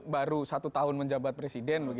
baru satu tahun menjabat presiden